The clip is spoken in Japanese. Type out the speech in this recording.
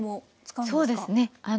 そうですね。